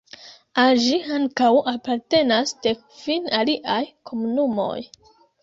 Al ĝi ankaŭ apartenas dek-kvin aliaj komunumoj.